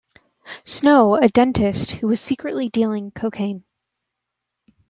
Snow, a dentist who was secretly dealing cocaine.